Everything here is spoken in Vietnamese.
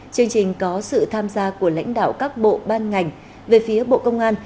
chương trình có sự tham gia của lãnh đạo các bộ ban ngành về phía bộ công an